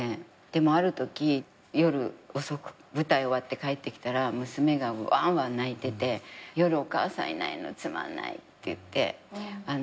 でもあるとき夜遅く舞台終わって帰ってきたら娘がわんわん泣いてて「夜お母さんいないのつまんない」って言って。